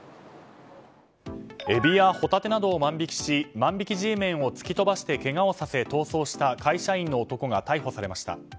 エビやホタテなどを万引きし万引きＧメンを突き飛ばしてけがをさせ逃走した会社員の男が逮捕されました。